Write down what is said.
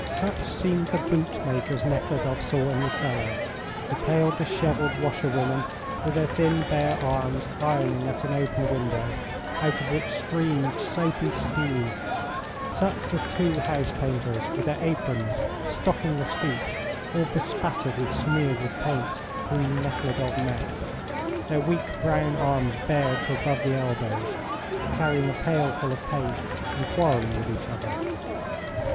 Such seemed the bootmakers Nekhludoff saw in the cellar, the pale, dishevelled washerwomen with their thin, bare, arms ironing at an open window, out of which streamed soapy steam; such the two house painters with their aprons, stockingless feet, all bespattered and smeared with paint, whom Nekhludoff met their weak, brown arms bared to above the elbows carrying a pailful of paint, and quarrelling with each other.